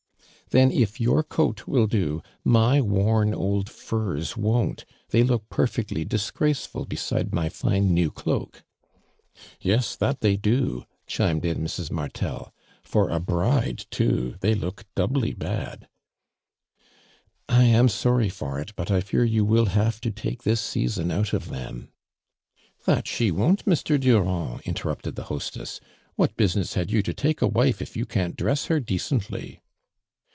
"Then if your coat will do my worn old fui s won't. They look perfectly dis graceful beside my fine new cloak." " Yes, that they do," chimed in Mrs. Martel. For a bride too they look doubly bad." "I am sorry for it, but I fear you will have to take this season out of them." "That she won't, Mr. Durand," inter rupted tho hostess. " What business had you to take a wife if you can't dress her decently?"